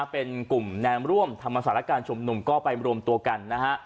เป็นกลุ่มแนมร่วมธรรมศาสตร์การชุมนุมก็ไปรวมตัวกันนะฮะ